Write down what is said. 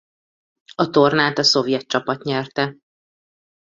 A tornát a szovjet csapat nyerte.